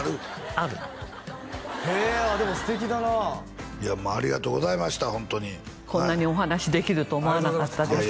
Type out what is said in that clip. あるへえでも素敵だないやありがとうございましたホントにこんなにお話しできると思わなかったです